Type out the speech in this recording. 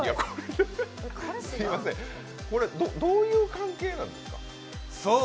すみません、これはどういう関係なんですか？